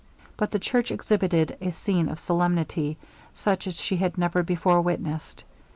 But the church exhibited a scene of solemnity, such as she had never before witnessed.